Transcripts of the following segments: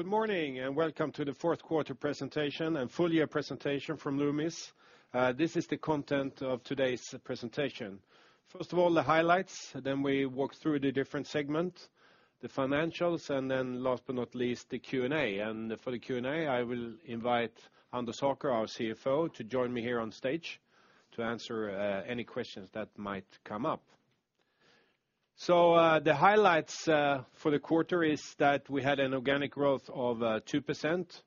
Good morning, welcome to the fourth quarter presentation and full-year presentation from Loomis. This is the content of today's presentation. First of all, the highlights, then we walk through the different segment, the financials, and then last but not least, the Q&A. For the Q&A, I will invite Anders Haker, our CFO, to join me here on stage to answer any questions that might come up. The highlights for the quarter is that we had an organic growth of 2%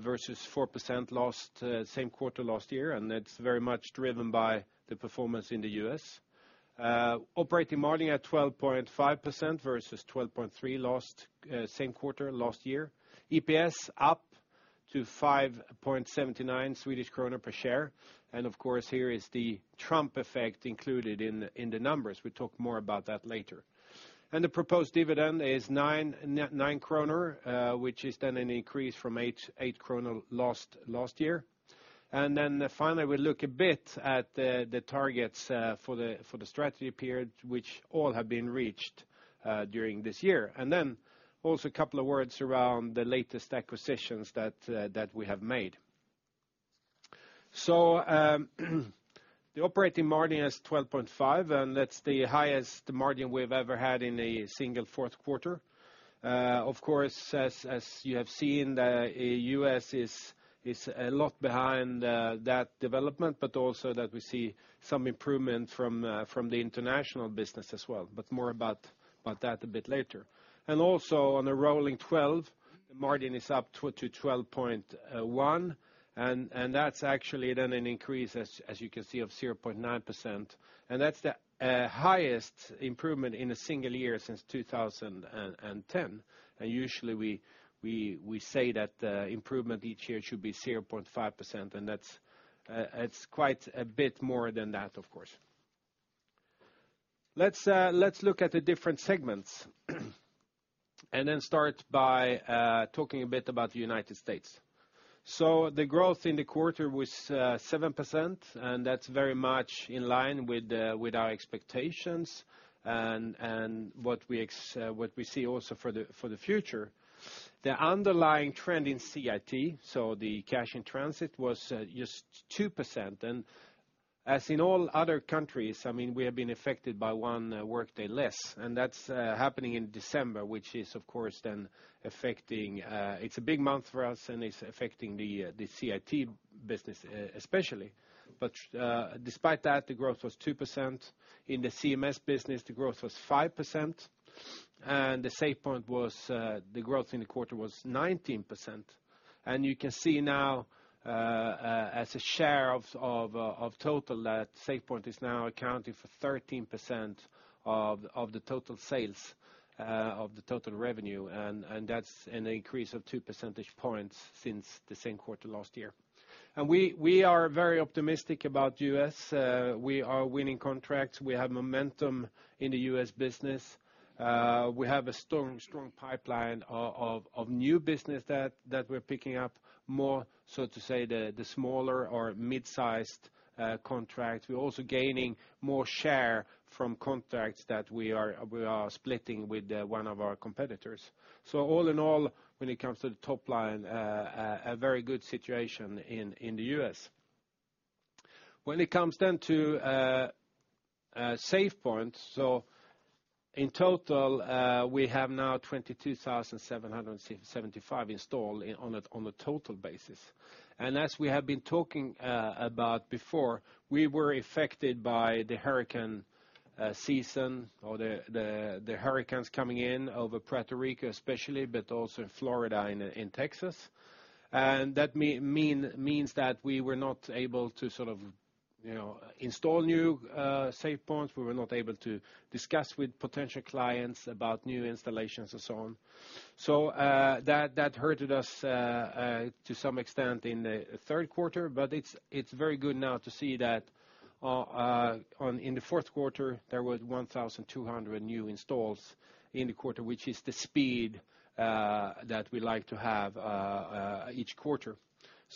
versus 4% same quarter last year, and that's very much driven by the performance in the U.S. Operating margin at 12.5% versus 12.3% same quarter last year. EPS up to 5.79 Swedish kronor per share. Of course, here is the Trump effect included in the numbers. We'll talk more about that later. The proposed dividend is 9 kronor, which is then an increase from 8 kronor last year. Finally, we look a bit at the targets for the strategy period, which all have been reached during this year. Also a couple of words around the latest acquisitions that we have made. The operating margin is 12.5%, and that's the highest margin we've ever had in a single fourth quarter. Of course, as you have seen, the U.S. is a lot behind that development, but also that we see some improvement from the international business as well. More about that a bit later. Also on a rolling 12, the margin is up to 12.1%, and that's actually then an increase, as you can see, of 0.9%. That's the highest improvement in a single year since 2010. Usually we say that the improvement each year should be 0.5%, and that's quite a bit more than that, of course. Let's look at the different segments and then start by talking a bit about the United States. The growth in the quarter was 7%, and that's very much in line with our expectations and what we see also for the future. The underlying trend in CIT, so the cash in transit, was just 2%. As in all other countries, we have been affected by one workday less, and that's happening in December, which is of course then affecting. It's a big month for us, and it's affecting the CIT business especially. Despite that, the growth was 2%. In the CMS business, the growth was 5%, and the SafePoint was, the growth in the quarter was 19%. You can see now as a share of total that SafePoint is now accounting for 13% of the total sales, of the total revenue. That's an increase of two percentage points since the same quarter last year. We are very optimistic about U.S. We are winning contracts. We have momentum in the U.S. business. We have a strong pipeline of new business that we're picking up more, so to say, the smaller or mid-sized contracts. We're also gaining more share from contracts that we are splitting with one of our competitors. All in all, when it comes to the top line, a very good situation in the U.S. When it comes then to SafePoint, in total, we have now 22,775 installed on a total basis. As we have been talking about before, we were affected by the hurricane season or the hurricanes coming in over Puerto Rico especially, but also in Florida and in Texas. That means that we were not able to install new SafePoints. We were not able to discuss with potential clients about new installations and so on. That hurted us to some extent in the third quarter, but it's very good now to see that in the fourth quarter, there was 1,200 new installs in the quarter, which is the speed that we like to have each quarter.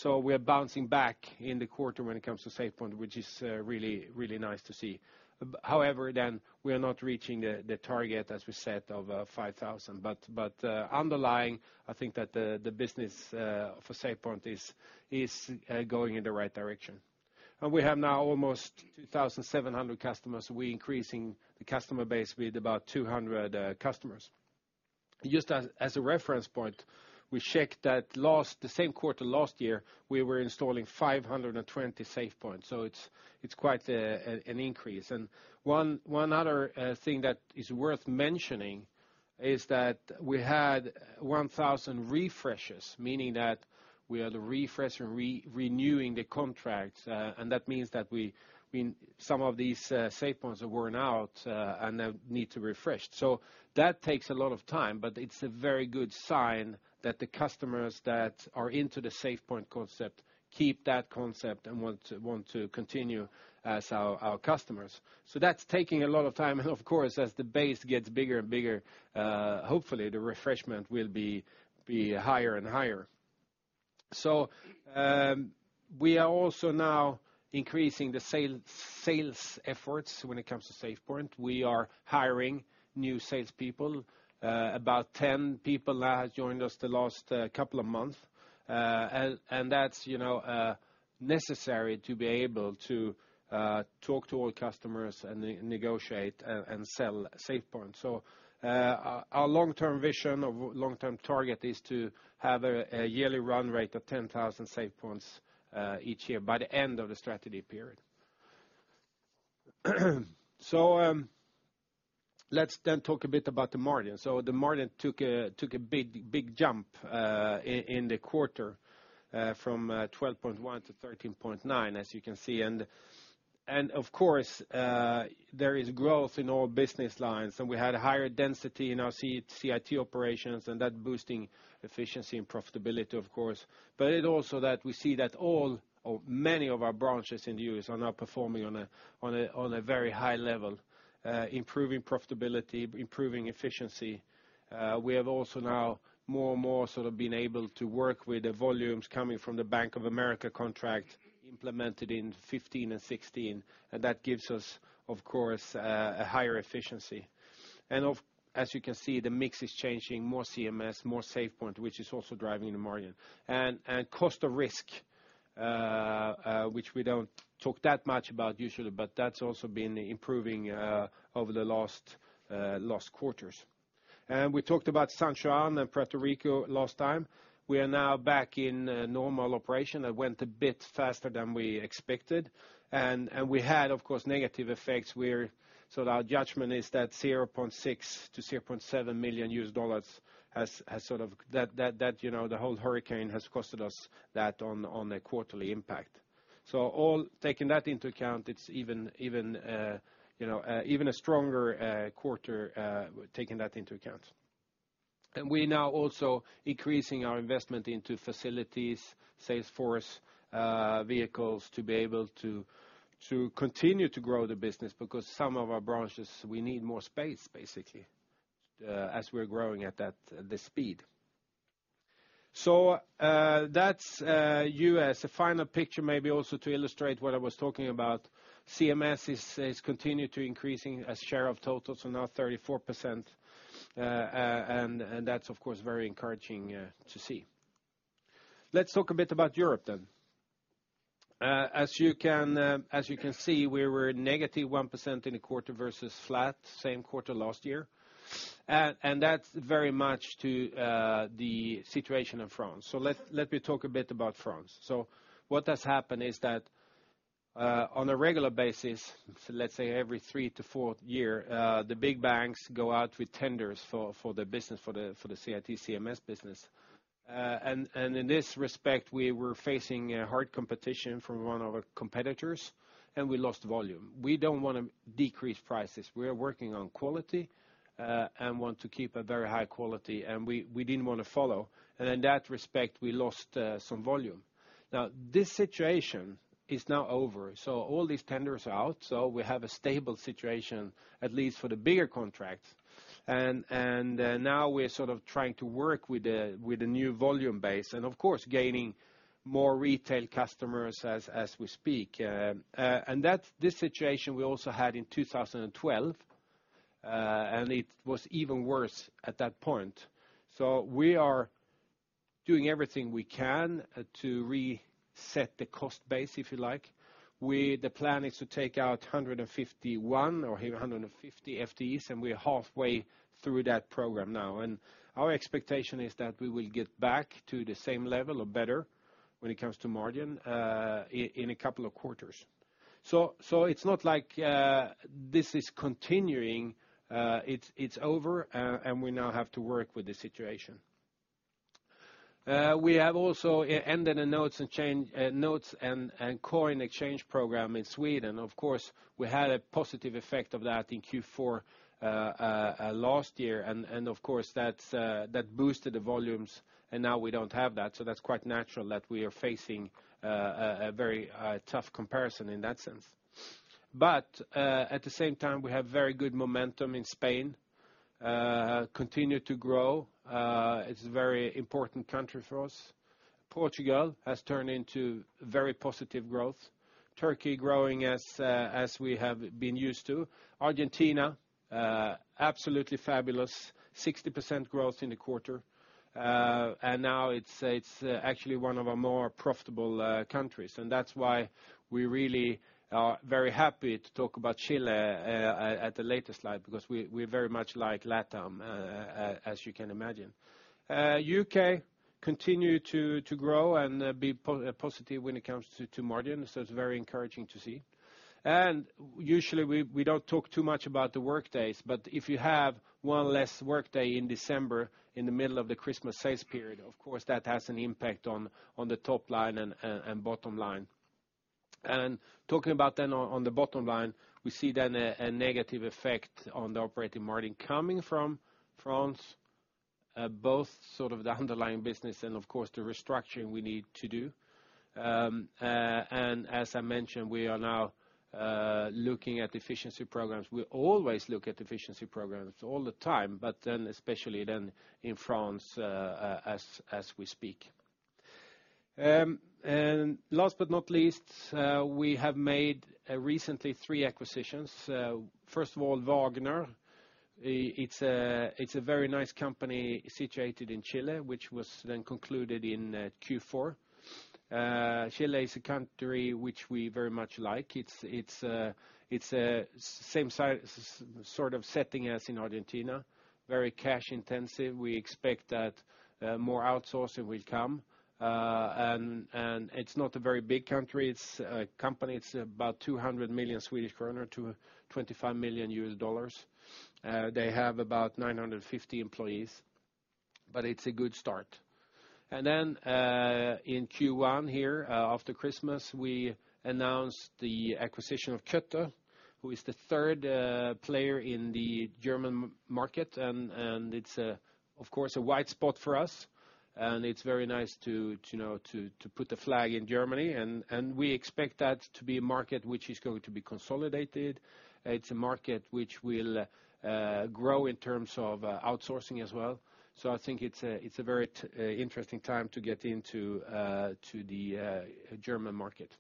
We're bouncing back in the quarter when it comes to SafePoint, which is really nice to see. We are not reaching the target, as we said, of 5,000. Underlying, I think that the business for SafePoint is going in the right direction. We have now almost 2,700 customers. We're increasing the customer base with about 200 customers. Just as a reference point, we checked that the same quarter last year, we were installing 520 SafePoints. It's quite an increase. One other thing that is worth mentioning is that we had 1,000 refreshes, meaning that we are refreshing, renewing the contracts, and that means that some of these SafePoints are worn out and need to refresh. That takes a lot of time, but it's a very good sign that the customers that are into the SafePoint concept keep that concept and want to continue as our customers. That's taking a lot of time. Of course, as the base gets bigger and bigger, hopefully the refreshment will be higher and higher. We are also now increasing the sales efforts when it comes to SafePoint. We are hiring new salespeople, about 10 people have joined us the last couple of months. That's necessary to be able to talk to all customers and negotiate and sell SafePoint. Our long-term vision or long-term target is to have a yearly run rate of 10,000 SafePoints each year by the end of the strategy period. Let's then talk a bit about the margin. The margin took a big jump in the quarter from 12.1 to 13.9, as you can see. Of course, there is growth in all business lines. We had higher density in our CIT operations and that boosting efficiency and profitability of course. It also that we see that all or many of our branches in the U.S. are now performing on a very high level, improving profitability, improving efficiency. We have also now more and more sort of been able to work with the volumes coming from the Bank of America contract implemented in 2015 and 2016. That gives us, of course, a higher efficiency. As you can see, the mix is changing, more CMS, more SafePoint, which is also driving the margin. Cost of risk, which we don't talk that much about usually, but that's also been improving over the last quarters. We talked about San Juan and Puerto Rico last time. We are now back in normal operation that went a bit faster than we expected. We had, of course, negative effects where our judgment is that $0.6 million-$0.7 million has sort of-- the whole hurricane has costed us that on a quarterly impact. Taking that into account, it's even a stronger quarter, taking that into account. We now also increasing our investment into facilities, sales force, vehicles to be able to continue to grow the business because some of our branches, we need more space basically, as we're growing at this speed. That's U.S., a final picture maybe also to illustrate what I was talking about. CMS is continued to increasing as share of total, so now 34%, and that's of course very encouraging to see. Let's talk a bit about Europe then. As you can see, we were negative 1% in the quarter versus flat same quarter last year. That's very much to the situation in France. Let me talk a bit about France. What has happened is that, on a regular basis, let's say every three to four year, the big banks go out with tenders for the business, for the CIT CMS business. In this respect, we were facing a hard competition from one of our competitors, and we lost volume. We don't want to decrease prices. We are working on quality, and want to keep a very high quality, and we didn't want to follow. In that respect, we lost some volume. Now this situation is now over. All these tenders are out. We have a stable situation, at least for the bigger contracts. Now we're sort of trying to work with the new volume base and of course, gaining more retail customers as we speak. This situation we also had in 2012, and it was even worse at that point. We are doing everything we can to reset the cost base, if you like. The plan is to take out 151 or 150 FTEs, and we're halfway through that program now. Our expectation is that we will get back to the same level or better when it comes to margin, in a couple of quarters. It's not like this is continuing, it's over, and we now have to work with the situation. We have also ended a notes and coin exchange program in Sweden. Of course, we had a positive effect of that in Q4 last year. Of course, that boosted the volumes, and now we don't have that. That's quite natural that we are facing a very tough comparison in that sense. At the same time, we have very good momentum in Spain, continue to grow. It's a very important country for us. Portugal has turned into very positive growth. Turkey growing as we have been used to. Argentina, absolutely fabulous. 60% growth in the quarter. Now it's actually one of our more profitable countries. That's why we really are very happy to talk about Chile at the later slide, because we very much like LATAM, as you can imagine. U.K. continue to grow and be positive when it comes to margin. It's very encouraging to see. Usually we don't talk too much about the workdays, but if you have one less workday in December in the middle of the Christmas sales period, of course that has an impact on the top line and bottom line. Talking about then on the bottom line, we see then a negative effect on the operating margin coming from France, both sort of the underlying business and of course the restructuring we need to do. As I mentioned, we are now looking at efficiency programs. We always look at efficiency programs all the time, especially then in France as we speak. Last but not least, we have made recently three acquisitions. First of all, Wagner. It's a very nice company situated in Chile, which was then concluded in Q4. Chile is a country which we very much like. It's a same sort of setting as in Argentina, very cash intensive. We expect that more outsourcing will come. It's not a very big company. It's about 200 million Swedish kronor, $25 million. They have about 950 employees, but it's a good start. In Q1 here, after Christmas, we announced the acquisition of KÖTTER, who is the third player in the German market. It's, of course, a wide spot for us, and it's very nice to put a flag in Germany, and we expect that to be a market which is going to be consolidated. It's a market which will grow in terms of outsourcing as well. I think it's a very interesting time to get into the German market.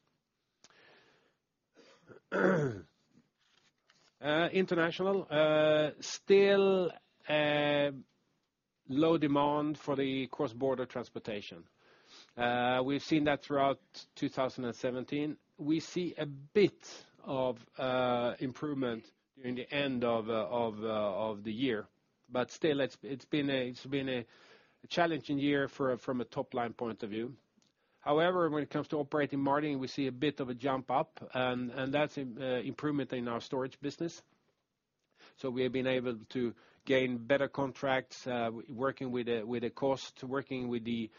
International, still low demand for the cross-border transportation. We've seen that throughout 2017. We see a bit of improvement during the end of the year. Still, it's been a challenging year from a top-line point of view. However, when it comes to operating margin, we see a bit of a jump up, and that's improvement in our storage business. We have been able to gain better contracts, working with the cost, working with the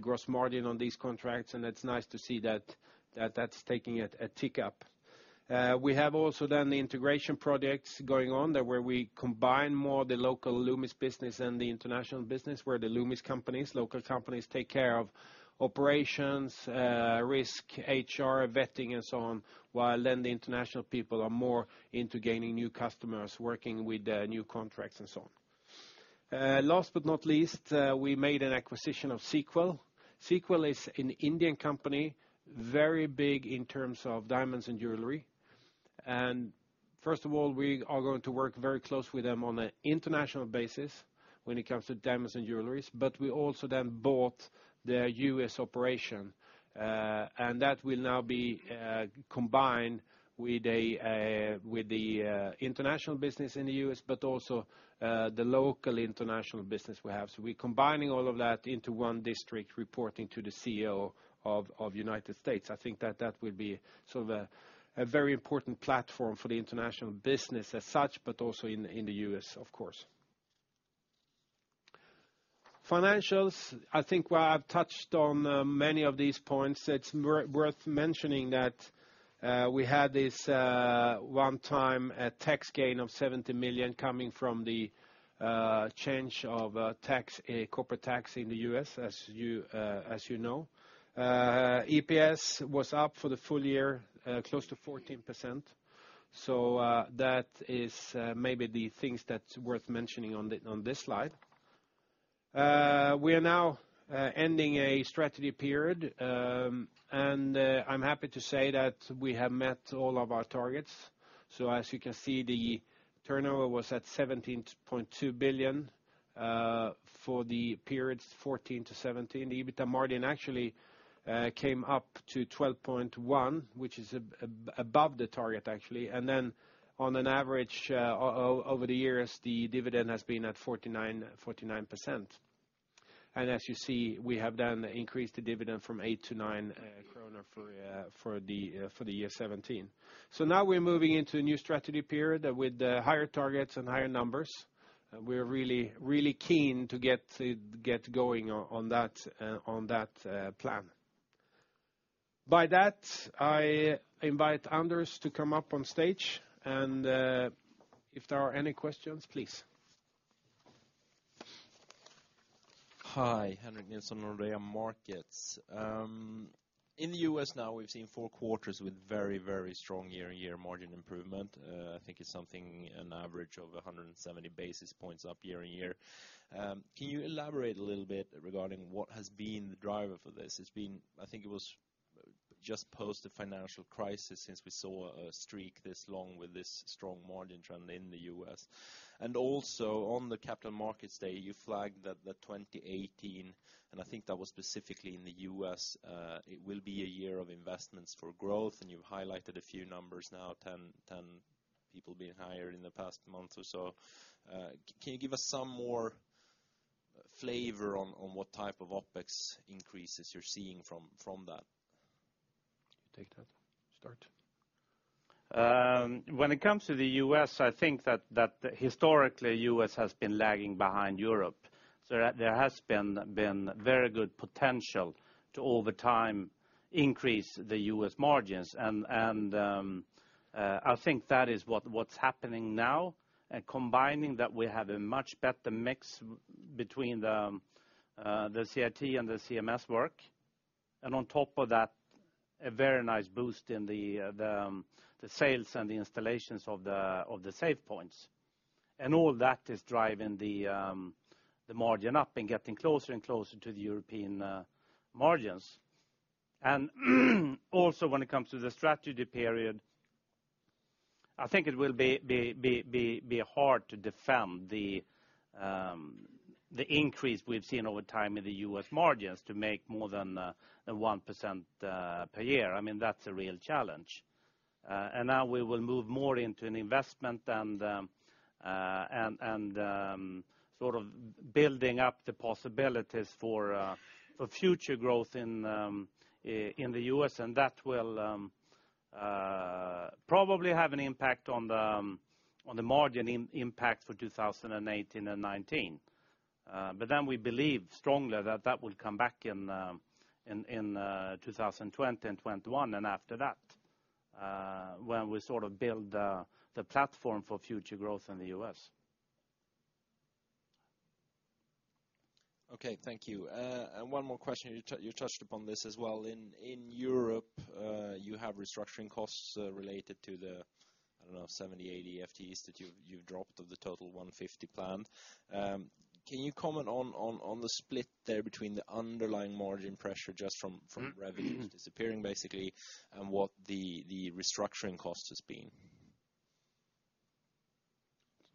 gross margin on these contracts, and it's nice to see that that's taking a tick up. We have also done the integration projects going on there where we combine more the local Loomis business and the international business, where the Loomis companies, local companies, take care of operations, risk, HR, vetting, and so on, while then the international people are more into gaining new customers, working with new contracts, and so on. Last but not least, we made an acquisition of Sequel. Sequel is an Indian company, very big in terms of diamonds and jewelry. First of all, we are going to work very closely with them on an international basis when it comes to diamonds and jewelries, but we also then bought their U.S. operation. That will now be combined with the international business in the U.S., but also the local international business we have. We're combining all of that into one district reporting to the CEO of United States. I think that that will be sort of a very important platform for the international business as such, but also in the U.S., of course. Financials. I think while I've touched on many of these points, it's worth mentioning that we had this one-time tax gain of 70 million coming from the change of corporate tax in the U.S., as you know. EPS was up for the full year, close to 14%. That is maybe the things that's worth mentioning on this slide. We are now ending a strategy period, and I'm happy to say that we have met all of our targets. As you can see, the turnover was at 17.2 billion for the periods 2014-2017. The EBITDA margin actually came up to 12.1%, which is above the target, actually. On an average over the years, the dividend has been at 49%. As you see, we have increased the dividend from 8 SEK to 9 kronor for 2017. Now we're moving into a new strategy period with higher targets and higher numbers. We're really keen to get going on that plan. By that, I invite Anders to come up on stage and if there are any questions, please. Hi, Henrik Nilsson, Nordea Markets. In the U.S. now, we've seen four quarters with very strong year-on-year margin improvement. I think it's something an average of 170 basis points up year-on-year. Can you elaborate a little bit regarding what has been the driver for this? I think it was just post the financial crisis since we saw a streak this long with this strong margin trend in the U.S. Also on the Capital Markets Day, you flagged that 2018, and I think that was specifically in the U.S., it will be a year of investments for growth, and you've highlighted a few numbers now, 10 people being hired in the past month or so. Can you give us some more flavor on what type of OpEx increases you're seeing from that? You take that start. When it comes to the U.S., I think that historically, the U.S. has been lagging behind Europe. There has been very good potential to, over time, increase the U.S. margins. I think that is what's happening now. Combining that we have a much better mix between the CIT and the CMS work On top of that, a very nice boost in the sales and the installations of the SafePoints. All that is driving the margin up and getting closer and closer to the European margins. Also when it comes to the strategy period, I think it will be hard to defend the increase we've seen over time in the U.S. margins to make more than 1% per year. That's a real challenge. Now we will move more into an investment and building up the possibilities for future growth in the U.S., and that will probably have an impact on the margin impact for 2018 and 2019. We believe strongly that will come back in 2020 and 2021 and after that, when we build the platform for future growth in the U.S. Okay, thank you. One more question, you touched upon this as well. In Europe, you have restructuring costs related to the, I don't know, 70, 80 FTEs that you've dropped of the total 150 planned. Can you comment on the split there between the underlying margin pressure just from revenue disappearing, basically, and what the restructuring cost has been?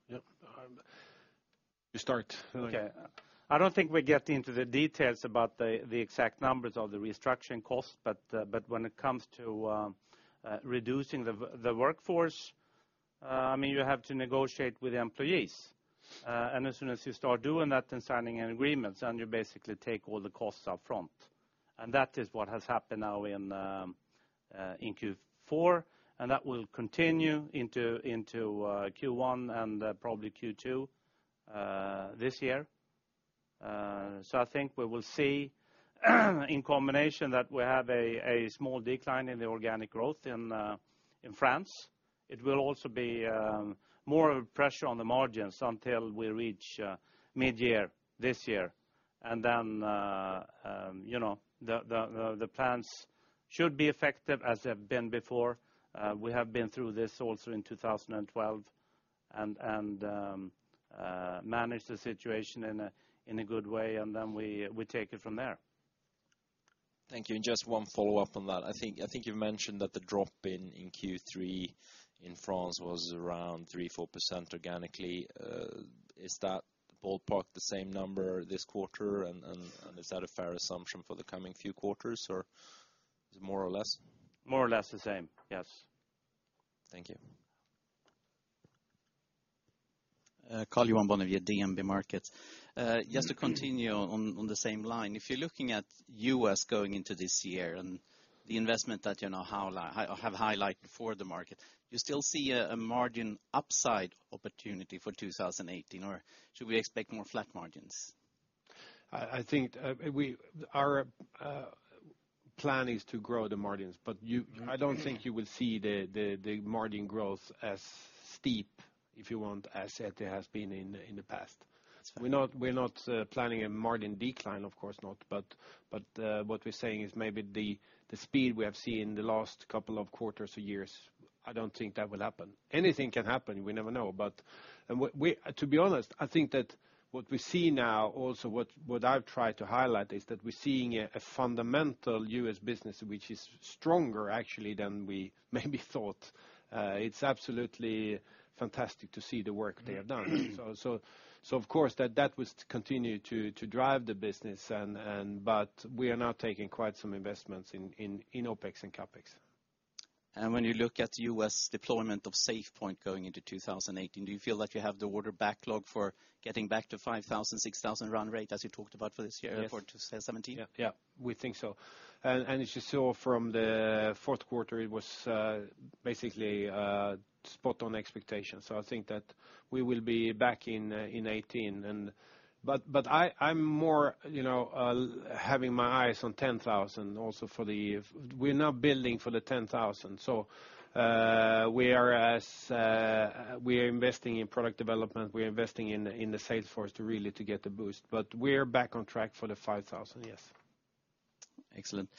Yep. You start. Okay. I don't think we get into the details about the exact numbers of the restructuring cost. When it comes to reducing the workforce, you have to negotiate with the employees. As soon as you start doing that and signing an agreement, then you basically take all the costs up front. That is what has happened now in Q4, and that will continue into Q1 and probably Q2 this year. I think we will see, in combination, that we have a small decline in the organic growth in France. It will also be more of a pressure on the margins until we reach mid-year this year. Then the plans should be effective as they've been before. We have been through this also in 2012 and managed the situation in a good way, and then we take it from there. Thank you. Just one follow-up on that. I think you mentioned that the drop in Q3 in France was around three, four% organically. Is that ballpark the same number this quarter? Is that a fair assumption for the coming few quarters, or is it more or less? More or less the same. Yes. Thank you. Karl-Johan Bonnevier, DNB Markets. Just to continue on the same line, if you're looking at U.S. going into this year and the investment that you have highlighted for the market, do you still see a margin upside opportunity for 2018, or should we expect more flat margins? I think our plan is to grow the margins, I don't think you will see the margin growth as steep, if you want, as it has been in the past. We're not planning a margin decline, of course not, what we're saying is maybe the speed we have seen the last couple of quarters or years, I don't think that will happen. Anything can happen, we never know. To be honest, I think that what we see now, also what I've tried to highlight is that we're seeing a fundamental U.S. business which is stronger actually than we maybe thought. It's absolutely fantastic to see the work they have done. Of course, that will continue to drive the business, but we are now taking quite some investments in OpEx and CapEx. When you look at U.S. deployment of SafePoint going into 2018, do you feel that you have the order backlog for getting back to 5,000, 6,000 run rate as you talked about for this year? Yes for 2017? Yeah. We think so. As you saw from the fourth quarter, it was basically spot on expectation. I think that we will be back in 2018. I'm more having my eyes on 10,000 also for the year. We're now building for the 10,000. We are investing in product development, we are investing in the sales force to really to get the boost. We are back on track for the 5,000, yes. Excellent.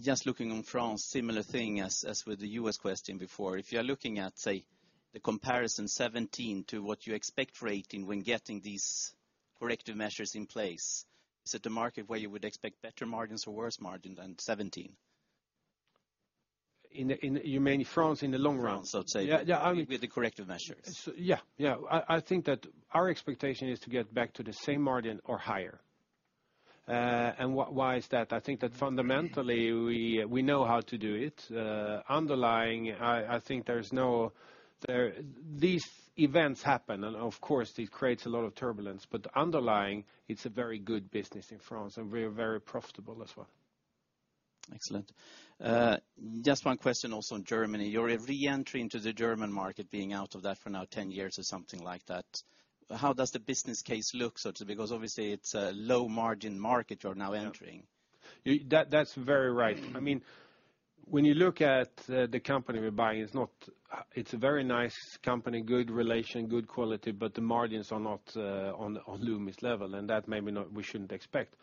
Just looking on France, similar thing as with the U.S. question before. If you are looking at, say, the comparison 2017 to what you expect for 2018 when getting these corrective measures in place, is it a market where you would expect better margins or worse margin than 2017? You mean France in the long run? France, I would say. Yeah. With the corrective measures. Yeah. I think that our expectation is to get back to the same margin or higher. Why is that? I think that fundamentally, we know how to do it. Underlying, I think these events happen, and of course, it creates a lot of turbulence. Underlying, it's a very good business in France, and we are very profitable as well. Excellent. Just one question also on Germany. You're re-entering into the German market, being out of that for now 10 years or something like that. How does the business case look? Because obviously it's a low-margin market you're now entering. That's very right. I mean. When you look at the company we're buying, it's a very nice company, good relation, good quality, but the margins are not on Loomis level, and that maybe we shouldn't expect.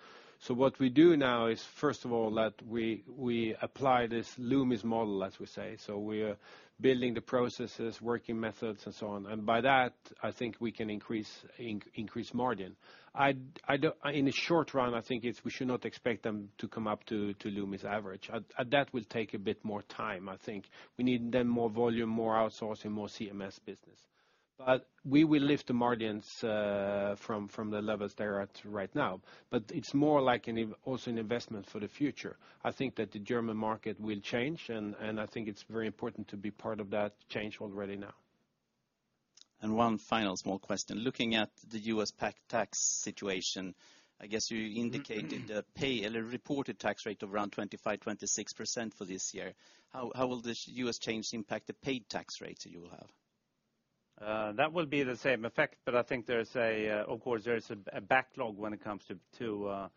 What we do now is, first of all, that we apply this Loomis Model, as we say. We're building the processes, working methods, and so on. By that, I think we can increase margin. In the short run, I think we should not expect them to come up to Loomis average. That will take a bit more time, I think. We need then more volume, more outsourcing, more CMS business. We will lift the margins from the levels they are at right now. It's more like also an investment for the future. I think that the German market will change, and I think it's very important to be part of that change already now. One final small question. Looking at the U.S. TCJA tax situation, I guess you indicated a pay or a reported tax rate of around 25%-26% for this year. How will this U.S. change impact the paid tax rate that you will have? That will be the same effect. I think, of course, there's a backlog when it comes to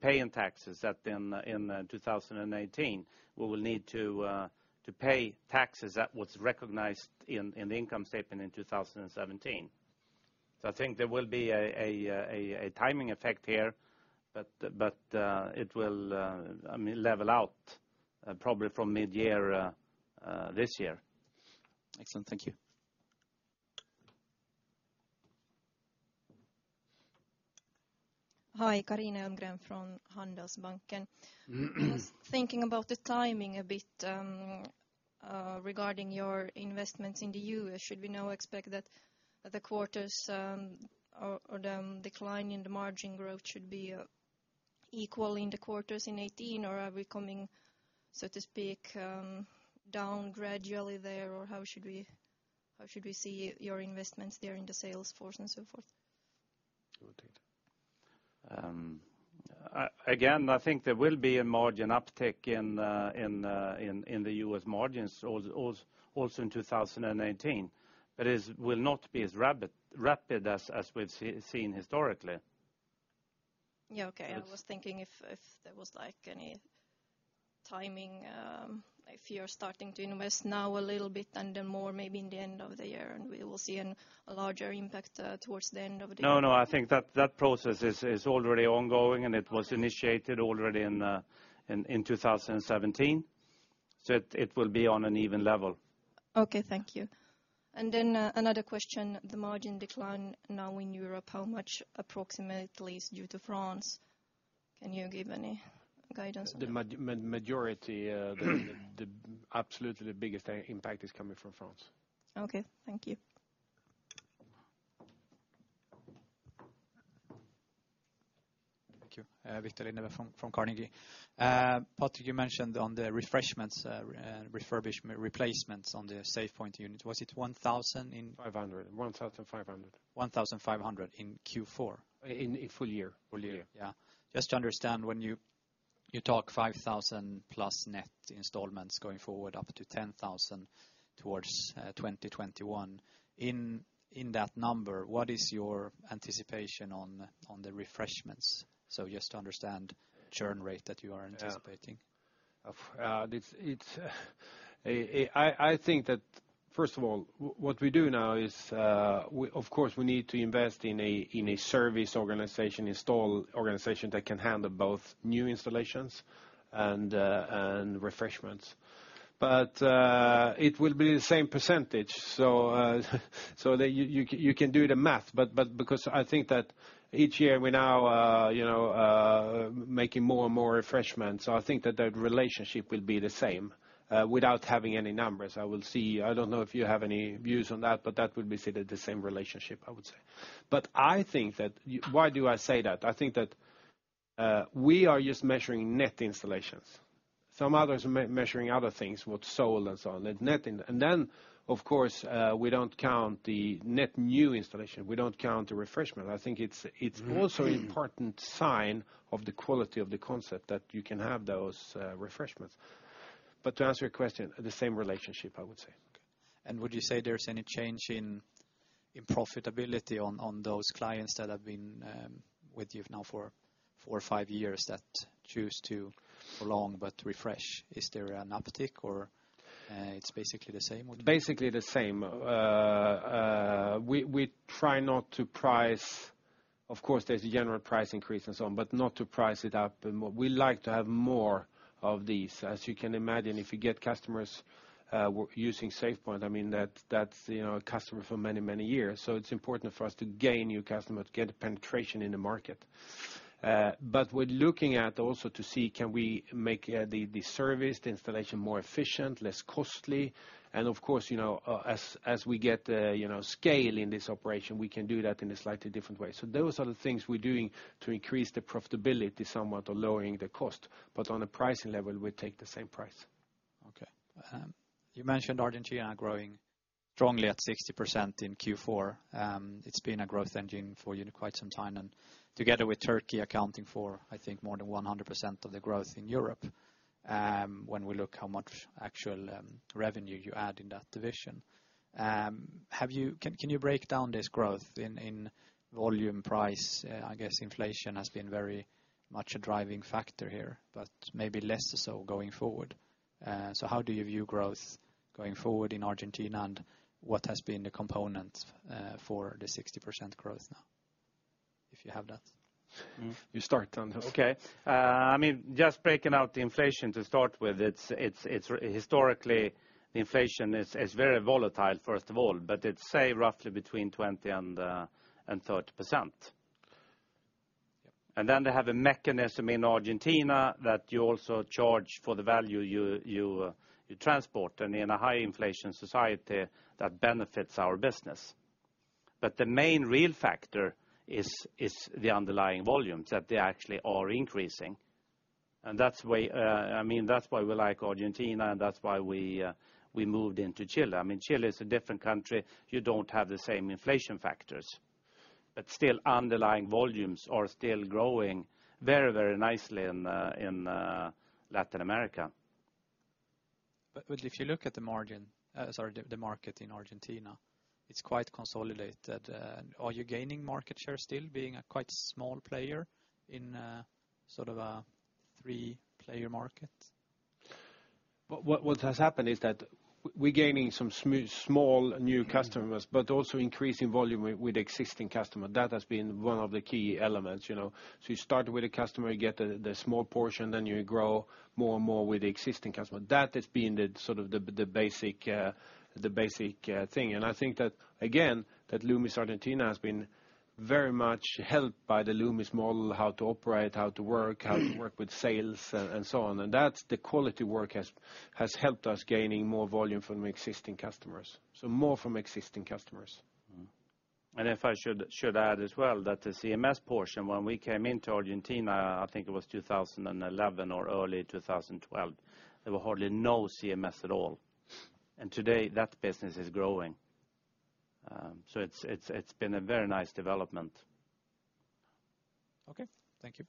paying taxes that in 2018, we will need to pay taxes at what's recognized in the income statement in 2017. I think there will be a timing effect here, but it will level out probably from mid-year this year. Excellent. Thank you. Hi. Carina Elmgren from Handelsbanken. Thinking about the timing a bit regarding your investments in the U.S., should we now expect that the quarters or the decline in the margin growth should be equal in the quarters in 2018? Are we coming, so to speak, down gradually there, or how should we see your investments there in the sales force and so forth? I think there will be a margin uptick in the U.S. margins, also in 2019, but it will not be as rapid as we've seen historically. Yeah, okay. I was thinking if there was any timing, if you're starting to invest now a little bit and then more maybe in the end of the year, and we will see a larger impact towards the end of the year. No, I think that process is already ongoing, and it was initiated already in 2017, so it will be on an even level. Okay, thank you. Another question. The margin decline now in Europe, how much approximately is due to France? Can you give any guidance on that? The majority, absolutely the biggest impact is coming from France. Okay. Thank you. Thank you. Viktor Lindeberg from Carnegie. Patrik, you mentioned on the replacements on the SafePoint unit. Was it 1,000? 500. 1,500 So 1,500 in Q4? In full year. Full year. Full year. Yeah. Just to understand, when you talk 5,000-plus net installments going forward, up to 10,000 towards 2021, in that number, what is your anticipation on the refreshments? Just to understand churn rate that you are anticipating. I think that, first of all, what we do now is, of course, we need to invest in a service organization, install organization that can handle both new installations and refreshments. It will be the same percentage. You can do the math, but because I think that each year we now are making more and more refreshments, I think that the relationship will be the same without having any numbers. I don't know if you have any views on that, but that would be considered the same relationship, I would say. Why do I say that? I think that we are just measuring net installations. Some others are measuring other things, what's sold and so on. Then, of course, we don't count the net new installation. We don't count the refreshment. I think it's also important sign of the quality of the concept that you can have those refreshments. To answer your question, the same relationship, I would say. Okay. Would you say there's any change in profitability on those clients that have been with you now for five years that choose to prolong but refresh? Is there an uptick, or it's basically the same? Basically the same. We try not to price, of course, there's a general price increase and so on, but not to price it up. We like to have more of these. As you can imagine, if you get customers using SafePoint, that's a customer for many years. It's important for us to gain new customer, to get penetration in the market. We're looking at also to see can we make the service, the installation more efficient, less costly? As we get scale in this operation, we can do that in a slightly different way. Those are the things we're doing to increase the profitability somewhat or lowering the cost. On a pricing level, we take the same price. Okay. You mentioned Argentina growing strongly at 60% in Q4. It's been a growth engine for you quite some time, and together with Turkey accounting for, I think, more than 100% of the growth in Europe, when we look how much actual revenue you add in that division. Can you break down this growth in volume price? I guess inflation has been very much a driving factor here, but maybe less so going forward. How do you view growth going forward in Argentina, and what has been the component for the 60% growth now? If you have that. You start, Anders. Okay. Just breaking out the inflation to start with, historically, inflation is very volatile, first of all, but it's, say, roughly between 20% and 30%. They have a mechanism in Argentina that you also charge for the value you transport, and in a high inflation society, that benefits our business. The main real factor is the underlying volumes, that they actually are increasing. That's why we like Argentina, and that's why we moved into Chile. Chile is a different country. You don't have the same inflation factors, but still underlying volumes are still growing very nicely in Latin America. If you look at the market in Argentina, it's quite consolidated. Are you gaining market share still being a quite small player in a three-player market? What has happened is that we're gaining some small new customers, but also increasing volume with existing customer. That has been one of the key elements. You start with a customer, you get the small portion, then you grow more and more with the existing customer. That has been the basic thing. I think that, again, that Loomis Argentina has been very much helped by the Loomis Model, how to operate, how to work, how to work with sales and so on. The quality work has helped us gaining more volume from existing customers. More from existing customers. If I should add as well that the CMS portion, when we came into Argentina, I think it was 2011 or early 2012, there were hardly no CMS at all. Today that business is growing. It's been a very nice development. Okay. Thank you.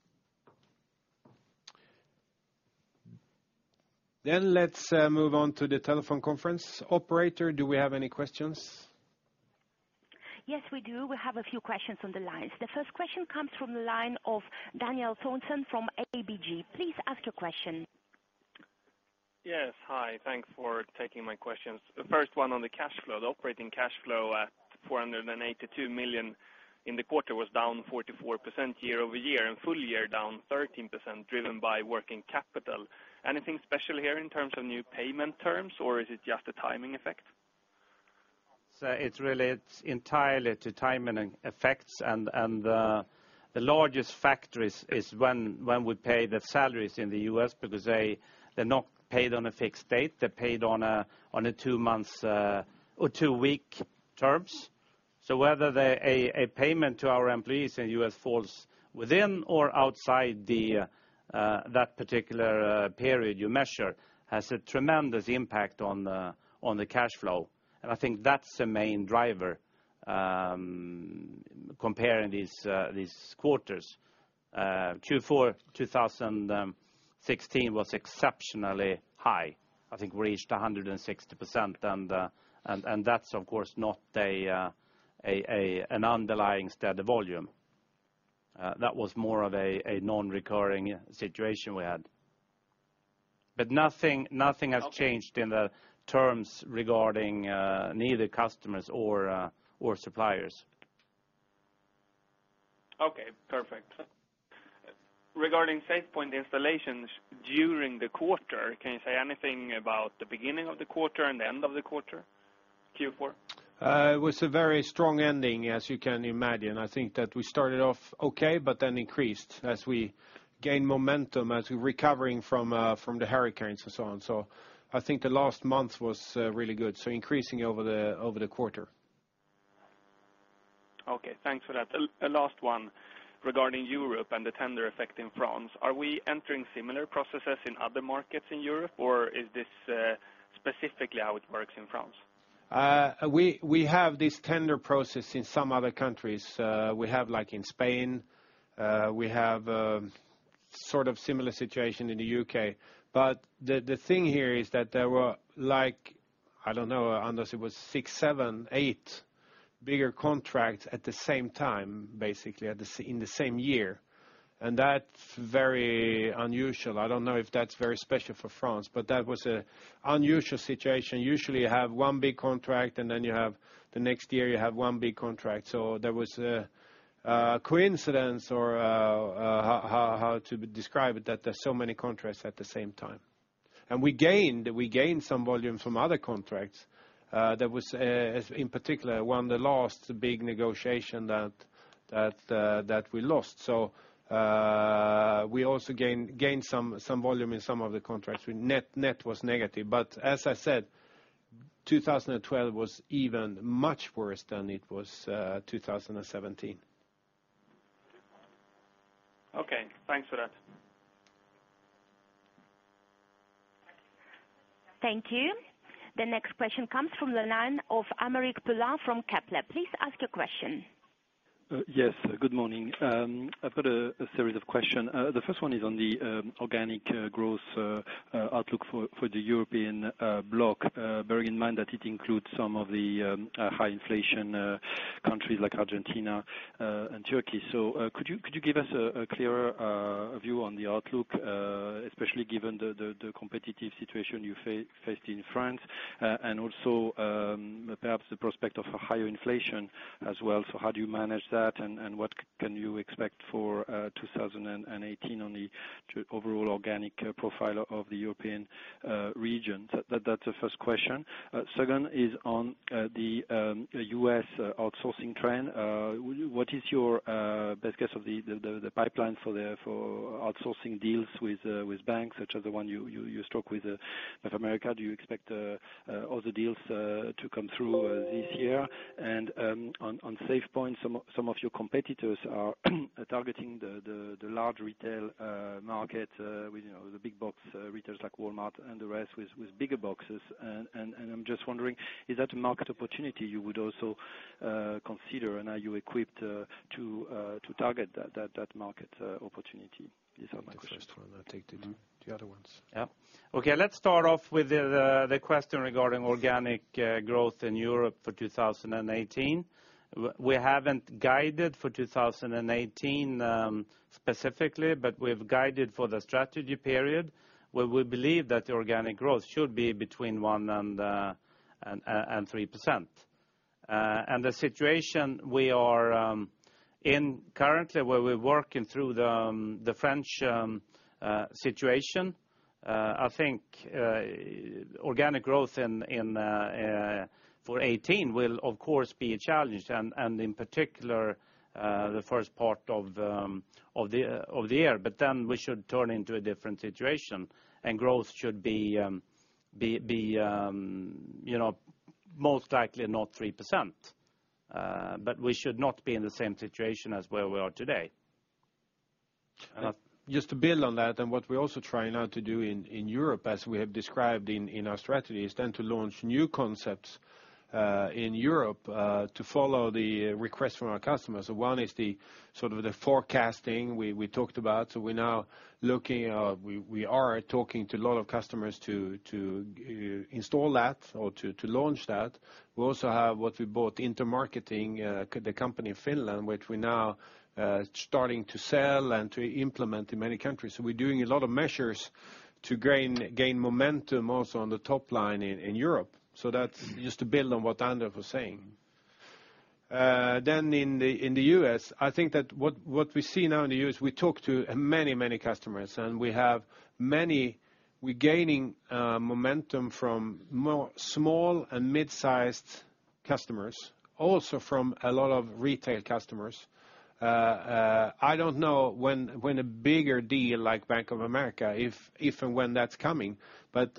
Let's move on to the telephone conference. Operator, do we have any questions? Yes, we do. We have a few questions on the lines. The first question comes from the line of Daniel Thorsson from ABG. Please ask your question. Yes, hi. Thanks for taking my questions. The first one on the cash flow. The operating cash flow at 482 million in the quarter was down 44% year-over-year and full year down 13% driven by working capital. Anything special here in terms of new payment terms, or is it just a timing effect? It's entirely to timing effects. The largest factor is when we pay the salaries in the U.S. because they're not paid on a fixed date. They're paid on a two-week terms. Whether a payment to our employees in the U.S. falls within or outside that particular period you measure has a tremendous impact on the cash flow. I think that's the main driver comparing these quarters. Q4 2016 was exceptionally high. I think we reached 160%, and that's of course not an underlying steady volume. That was more of a non-recurring situation we had. Nothing has changed in the terms regarding neither customers or suppliers. Okay, perfect. Regarding SafePoint installations during the quarter, can you say anything about the beginning of the quarter and the end of the quarter, Q4? It was a very strong ending, as you can imagine. I think that we started off okay, but then increased as we gained momentum as we're recovering from the hurricanes and so on. I think the last month was really good. Increasing over the quarter. Okay. Thanks for that. A last one regarding Europe and the tender effect in France. Are we entering similar processes in other markets in Europe, or is this specifically how it works in France? We have this tender process in some other countries. We have in Spain, we have similar situation in the U.K. The thing here is that there were, I don't know, Anders, it was six, seven, eight bigger contracts at the same time, basically in the same year, and that's very unusual. I don't know if that's very special for France, but that was an unusual situation. Usually, you have one big contract, and then the next year you have one big contract. There was a coincidence or how to describe it, that there's so many contracts at the same time. We gained some volume from other contracts that was in particular won the last big negotiation that we lost. We also gained some volume in some of the contracts. Net was negative, but as I said, 2012 was even much worse than it was 2017. Okay. Thanks for that. Thank you. The next question comes from the line of Aymeric Poulain from Kepler. Please ask your question. Yes. Good morning. I've got a series of question. The first one is on the organic growth outlook for the European block, bearing in mind that it includes some of the high inflation countries like Argentina and Turkey. Could you give us a clearer view on the outlook, especially given the competitive situation you faced in France, also perhaps the prospect of a higher inflation as well? How do you manage that and what can you expect for 2018 on the overall organic profile of the European region? That's the first question. Second, on the U.S. outsourcing trend. What is your best guess of the pipeline for outsourcing deals with banks, such as the one you struck with Bank of America? Do you expect other deals to come through this year? On SafePoint, some of your competitors are targeting the large retail market with the big box retailers like Walmart and the rest with bigger boxes. I'm just wondering, is that a market opportunity you would also consider, and are you equipped to target that market opportunity? These are my questions. The first one, I'll take the two, the other ones. Okay, let's start off with the question regarding organic growth in Europe for 2018. We haven't guided for 2018 specifically, but we've guided for the strategy period, where we believe that the organic growth should be between 1% and 3%. The situation we are in currently, where we're working through the French situation, I think organic growth for 2018 will of course be a challenge, in particular, the first part of the year. Then we should turn into a different situation, growth should be most likely not 3%, but we should not be in the same situation as where we are today. Just to build on that, what we're also trying now to do in Europe, as we have described in our strategy, is to launch new concepts in Europe to follow the request from our customers. One is the forecasting we talked about, we are talking to a lot of customers to install that or to launch that. We also have what we bought, Intermarketing, the company in Finland, which we're now starting to sell and to implement in many countries. We're doing a lot of measures to gain momentum also on the top line in Europe. That's just to build on what Anders was saying. In the U.S., I think that what we see now in the U.S., we talk to many customers, and we're gaining momentum from small and mid-sized customers, also from a lot of retail customers. I don't know when a bigger deal like Bank of America, if and when that's coming.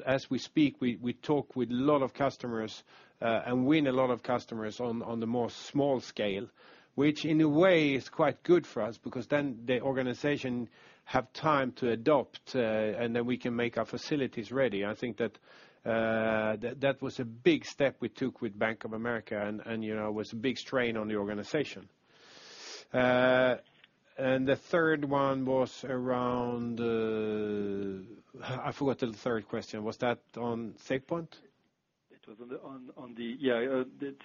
As we speak, we talk with a lot of customers and win a lot of customers on the more small scale, which in a way is quite good for us because the organization have time to adopt, and we can make our facilities ready. I think that was a big step we took with Bank of America, and was a big strain on the organization. The third one was around I forgot the third question. Was that on SafePoint? It was on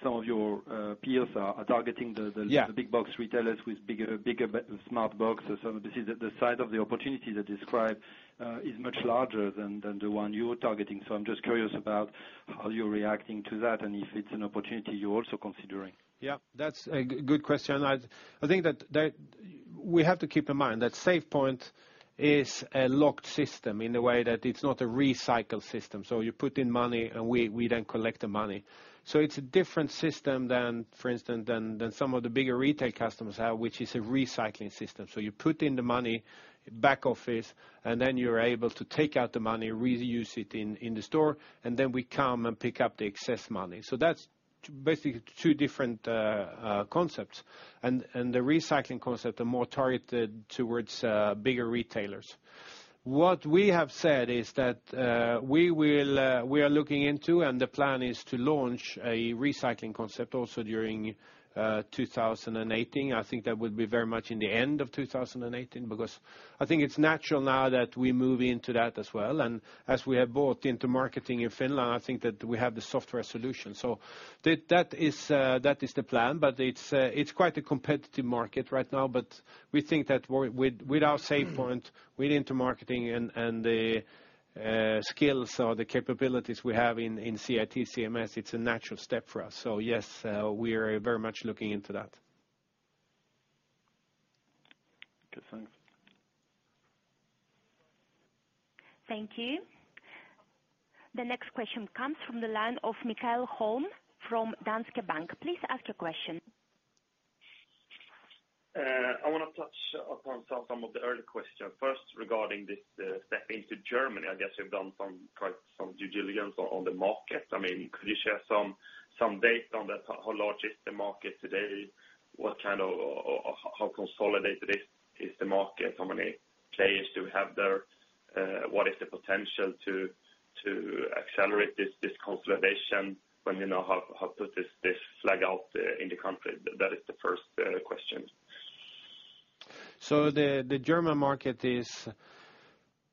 some of your peers are targeting the- Yeah big box retailers with bigger smart box or some of this is the size of the opportunity they describe is much larger than the one you're targeting. I'm just curious about how you're reacting to that and if it's an opportunity you're also considering. Yeah, that's a good question. I think that we have to keep in mind that SafePoint is a locked system in the way that it's not a recycle system. You put in money, and we then collect the money. It's a different system than, for instance, than some of the bigger retail customers have, which is a recycling system. You put in the money, back office, and then you're able to take out the money, reuse it in the store, and then we come and pick up the excess money. That's basically two different concepts, and the recycling concept are more targeted towards bigger retailers. What we have said is that we are looking into, and the plan is to launch a recycling concept also during 2018. I think that would be very much in the end of 2018, because I think it's natural now that we move into that as well. As we have bought Intermarketing in Finland, I think that we have the software solution. That is the plan. It's quite a competitive market right now. We think that with our SafePoint, with Intermarketing and the skills or the capabilities we have in CIT CMS, it's a natural step for us. Yes, we are very much looking into that. Okay, thanks. Thank you. The next question comes from the line of Mikael Holm from Danske Bank. Please ask your question. I want to touch upon some of the early questions. First, regarding this step into Germany, I guess you've done some due diligence on the market. Could you share some data on that? How large is the market today? How consolidated is the market? How many players do we have there? What is the potential to accelerate this consolidation when you know how to put this flag out in the country? That is the first question. The German market is,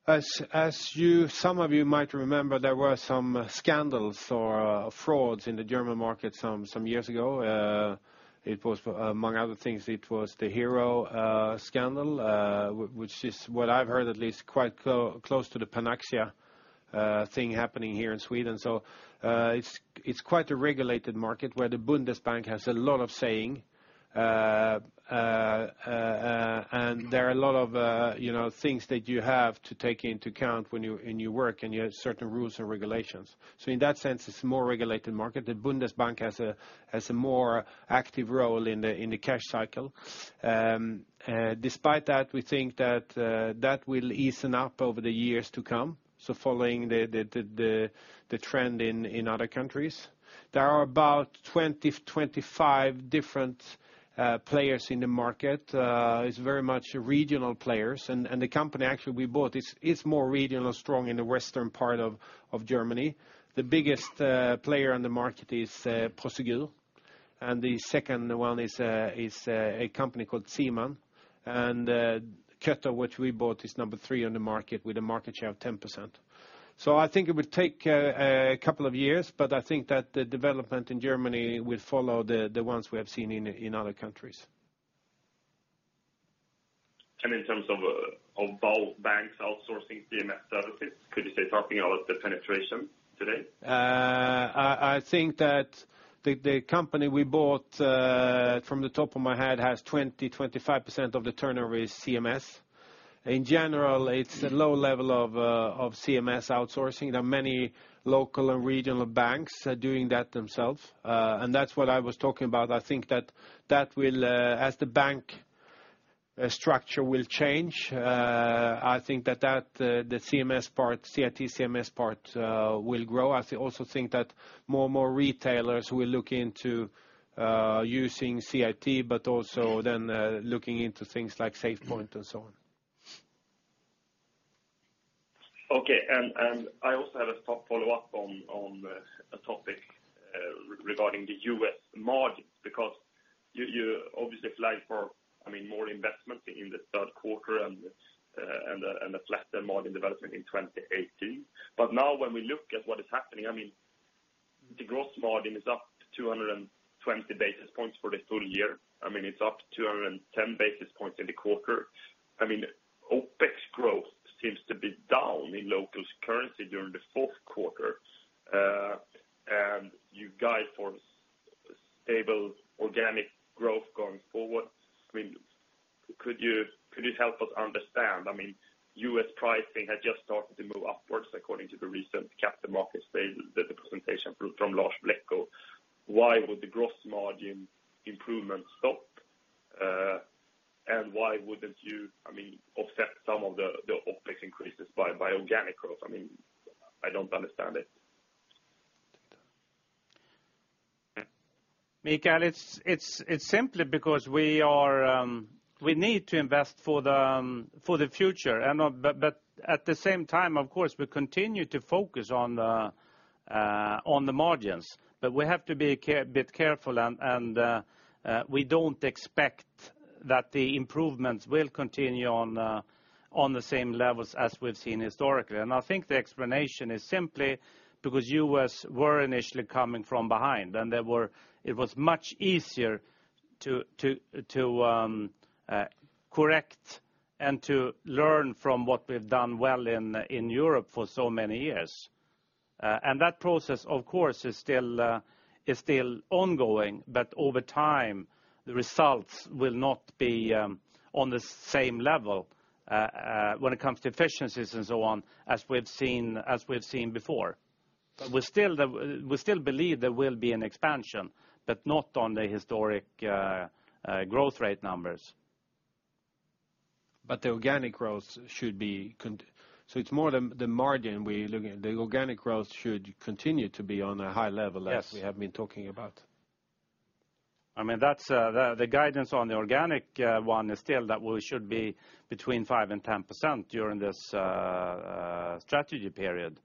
as some of you might remember, there were some scandals or frauds in the German market some years ago. Among other things, it was the Heros scandal, which is what I've heard, at least quite close to the Panaxia thing happening here in Sweden. It's quite a regulated market where the Bundesbank has a lot of saying. There are a lot of things that you have to take into account when you work, and you have certain rules and regulations. In that sense, it's a more regulated market. The Bundesbank has a more active role in the cash cycle. Despite that, we think that will ease up over the years to come, so following the trend in other countries. There are about 20 to 25 different players in the market. It's very much regional players, and the company actually we bought is more regionally strong in the western part of Germany. The biggest player on the market is Prosegur, and the second one is a company called Ziemann. KÖTTER, which we bought, is number three on the market with a market share of 10%. I think it would take a couple of years, but I think that the development in Germany will follow the ones we have seen in other countries. In terms of both banks outsourcing CMS services, could you say roughly what is the penetration today? I think that the company we bought from the top of my head has 20% to 25% of the turnover is CMS. In general, it's a low level of CMS outsourcing. There are many local and regional banks doing that themselves. That's what I was talking about. I think that as the bank structure will change, I think that the CIT CMS part will grow. I also think that more and more retailers will look into using CIT, but also looking into things like SafePoint and so on. Okay. I also have a top follow-up on a topic regarding the U.S. margin, because you obviously flagged for more investment in the third quarter and a flatter margin development in 2018. Now when we look at what is happening, the gross margin is up 220 basis points for the full year. It's up 210 basis points in the quarter. OpEx growth seems to be down in local currency during the fourth quarter. You guide for stable organic growth going forward. Could you help us understand? U.S. pricing has just started to move upwards according to the recent capital market presentation from Lars Blecko. Why would the gross margin improvement stop? Why wouldn't you offset some of the OpEx increases by organic growth? I don't understand it. Mikael, it's simply because we need to invest for the future. At the same time, of course, we continue to focus on the margins. We have to be a bit careful, and we don't expect that the improvements will continue on the same levels as we've seen historically. I think the explanation is simply because U.S. were initially coming from behind, and it was much easier to correct and to learn from what we've done well in Europe for so many years. That process, of course, is still ongoing, but over time, the results will not be on the same level when it comes to efficiencies and so on, as we've seen before. We still believe there will be an expansion, but not on the historic growth rate numbers. It's more the margin we're looking at. The organic growth should continue to be on a high level. Yes as we have been talking about. The guidance on the organic one is still that we should be between 5% and 10% during this strategy period.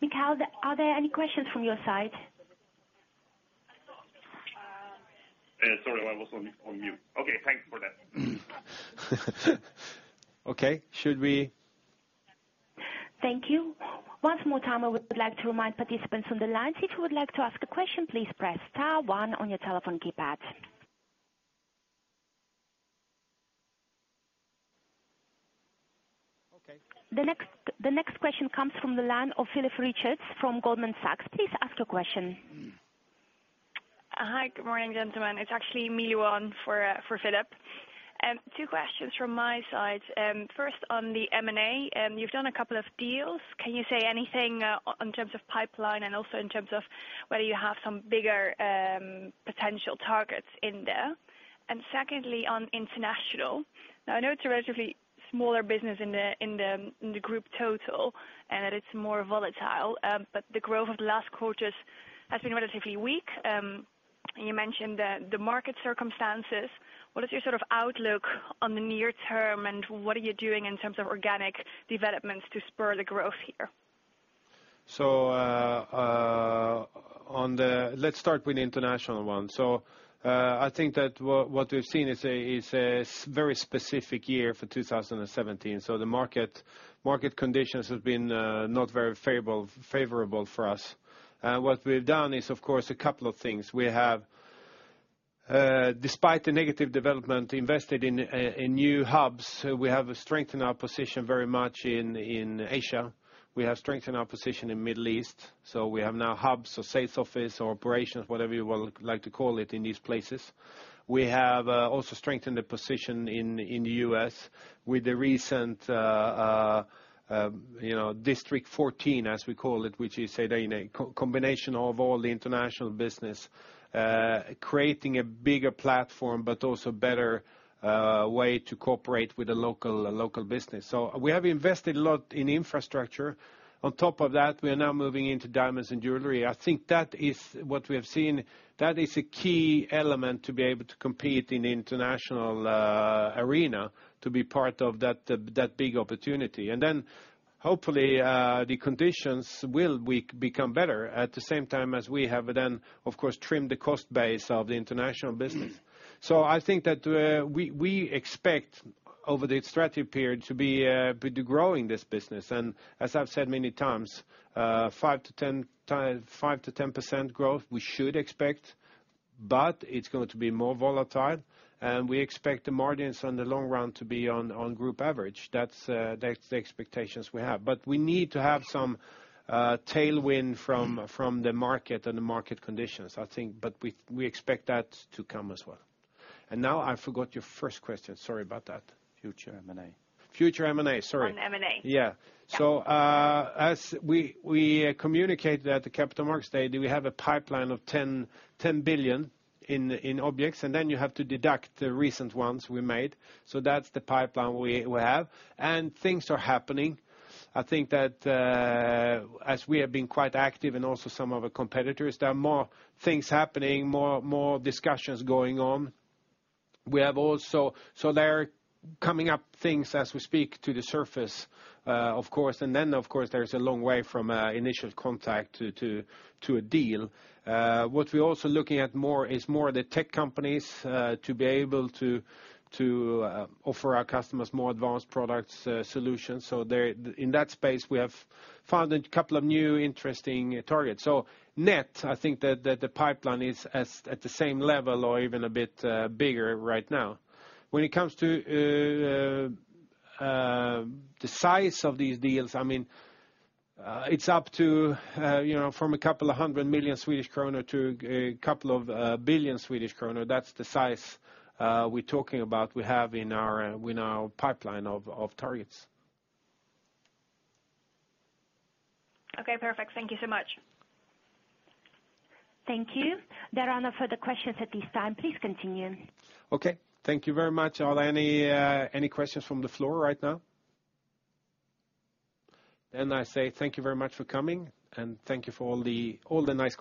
Mikael, are there any questions from your side? Sorry, I was on mute. Okay, thanks for that. Okay. Should we Thank you. One more time, I would like to remind participants on the line, if you would like to ask a question, please press star one on your telephone keypad. Okay. The next question comes from the line of Philipp Richards from Goldman Sachs. Please ask your question. Hi, good morning, gentlemen. It's actually Mila Won for Philipp. Two questions from my side. First on the M&A, you've done a couple of deals. Can you say anything in terms of pipeline and also in terms of whether you have some bigger potential targets in there. Secondly, on international. I know it's a relatively smaller business in the group total and that it's more volatile, but the growth of the last quarters has been relatively weak. You mentioned that the market circumstances. What is your outlook on the near term, and what are you doing in terms of organic developments to spur the growth here? Let's start with the international one. I think that what we've seen is a very specific year for 2017. The market conditions have been not very favorable for us. What we've done is, of course, a couple of things. We have, despite the negative development, invested in new hubs. We have strengthened our position very much in Asia. We have strengthened our position in Middle East. We have now hubs or sales office or operations, whatever you would like to call it, in these places. We have also strengthened the position in the U.S. with the recent District 14, as we call it, which is a combination of all the international business, creating a bigger platform, but also better way to cooperate with the local business. We have invested a lot in infrastructure. On top of that, we are now moving into diamonds and jewelry. I think that is what we have seen. That is a key element to be able to compete in the international arena, to be part of that big opportunity. Hopefully, the conditions will become better at the same time as we have, of course, trimmed the cost base of the international business. I think that we expect over the strategy period to be growing this business. As I've said many times, 5%-10% growth we should expect, but it's going to be more volatile, and we expect the margins in the long run to be on group average. That's the expectations we have. We need to have some tailwind from the market and the market conditions, I think. We expect that to come as well. Now I forgot your first question. Sorry about that. Future M&A. Future M&A, sorry. On M&A. Yeah. Yeah. As we communicated at the Capital Markets Day, we have a pipeline of 10 billion in objects, then you have to deduct the recent ones we made. That's the pipeline we have. Things are happening. I think that as we have been quite active and also some of the competitors, there are more things happening, more discussions going on. They are coming up things as we speak to the surface, of course. Then, of course, there's a long way from initial contact to a deal. What we're also looking at more is more the tech companies to be able to offer our customers more advanced products solutions. In that space, we have found a couple of new interesting targets. Net, I think that the pipeline is at the same level or even a bit bigger right now. When it comes to the size of these deals, it's up to from a couple of hundred million SEK to a couple of billion SEK. That's the size we're talking about, we have in our pipeline of targets. Okay, perfect. Thank you so much. Thank you. There are no further questions at this time. Please continue. Okay. Thank you very much. Are there any questions from the floor right now? I say thank you very much for coming, and thank you for all the nice questions.